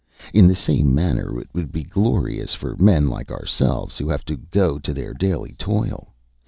In the same manner it would be glorious for men like ourselves, who have to go to their daily toil.